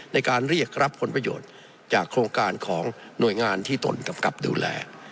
ในการเรียกรับผลประโยชน์จากโครงการของหน่วยงานที่ตนกำกับดูแล